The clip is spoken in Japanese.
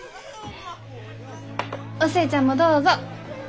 お寿恵ちゃんもどうぞ。